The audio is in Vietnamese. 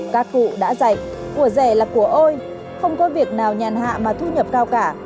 các cụ đã dạy của rẻ là của ôi không có việc nào nhàn hạ mà thu nhập cao cả